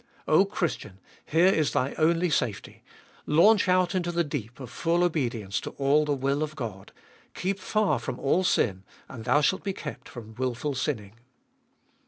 O Christian ! here is thy only safety : launch out into the deep of full obedience to all the will of God ; keep far from all sin, and thou shalt be kept from wilful sinning.